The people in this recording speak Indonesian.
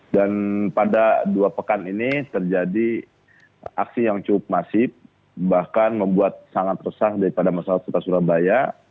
dan pada dua pekan ini terjadi aksi yang cukup masif bahkan membuat sangat resah daripada masyarakat kota surabaya